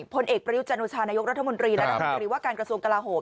พลเอกประยุจันโอชานายกรัฐมนตรีและรัฐมนตรีว่าการกระทรวงกลาโหม